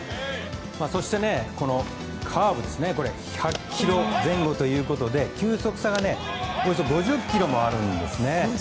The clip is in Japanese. そして、カーブなんですが１００キロ前後ということで球速差がおよそ５０キロもあるんですね。